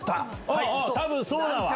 多分そうだわ。